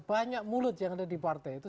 banyak mulut yang ada di partai itu